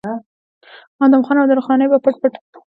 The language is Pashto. ادم خان او درخانۍ به پټ پټ